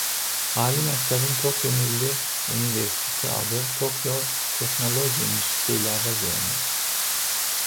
Ali məktəbin Tokio Milli Universiteti adı Tokio Texnologiya İnstitutu ilə əvəz olunur.